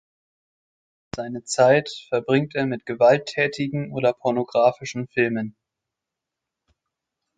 Seine Zeit verbringt er mit gewalttätigen oder pornografischen Filmen.